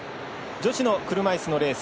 女子の車いすのレース